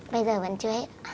bây giờ vẫn chưa hết